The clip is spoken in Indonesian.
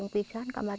jadi teti sama pak